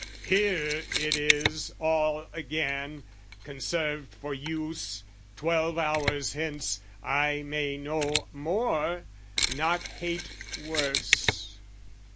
Here it is all again, conserved for use: Twelve hours hence I may know more, not hate worse.